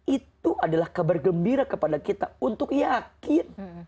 itu adalah kabar gembira kepada kita untuk yakin